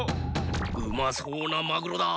うまそうなマグロだ！